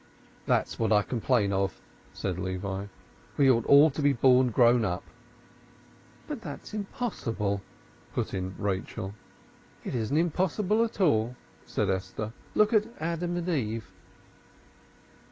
"That's what I complain of," said Levi. "We ought to be all born grown up." "But that's impossible!" put in Rachel. "It isn't impossible at all," said Esther. "Look at Adam and Eve!"